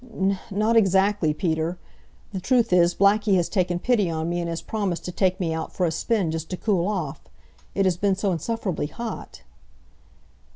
"N not exactly, Peter. The truth is, Blackie has taken pity on me and has promised to take me out for a spin, just to cool off. It has been so insufferably hot."